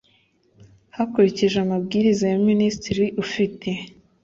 hakurikijwe amabwiriza ya minisitiri ufite